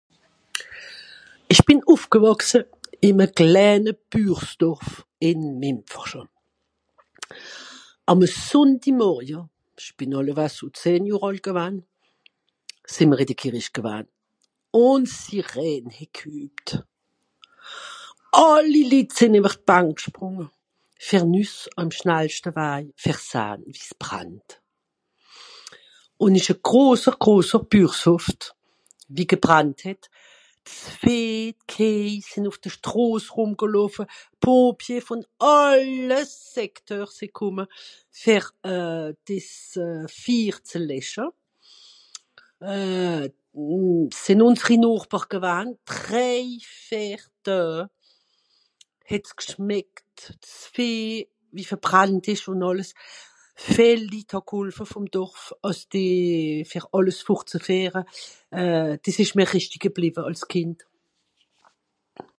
Ìch bìn ùffgewàchse ìm e klène Bürsdorf, ìn Mimfersche. Àm e Sùnndi Morje, ìch bìn àllewa so zeh Johr àlt gewann. Mìr sìnn ìn de Kìrrich gewann. Ùn Sirène (...). Àlli Litt sìnn ìwer d'Bank gsprùnge, fer nüss àm schnallschte Waj fer sahn wie's brannt. Ùn ìsch groser groser Bürshofft, wie gebrannt het. S'Vìeh, d'Kìejh sìnn ùff de Stros rùmgeloffe. d'Pompier vùn àlle Secteur sìì kùmme fer euh dìs euh Fir ze lèsche. Euh sìnn ùnsri Nochber gewann. Drèi vìer Doe het's gschmeckt s'Vìeh wie verbrannt ìsch ùn àlles. Vìel Litt hà gholfe vùm Dorf, àss dìe... fer àlles fortzefìehre. Euh dìs ìsch mìr rìchtisch gebliwe àls Kìnd.